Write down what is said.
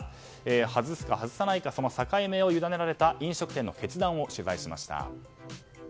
外すか外さないかのサカイ目をゆだねられた飲食店の決断を取材しました。